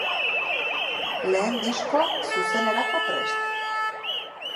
Lehen diskoa, zuzenerako prest.